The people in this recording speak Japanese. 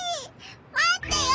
まってよ